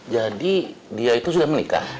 jadi dia itu sudah menikah